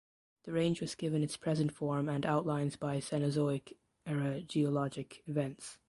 The range was given its present form and outlines by Cenozoic era geologic events.